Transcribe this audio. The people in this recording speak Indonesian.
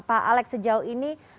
pak alex sejauh ini